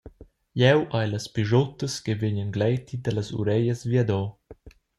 Jeu hai las pischuttas che vegnan gleiti dallas ureglias viado.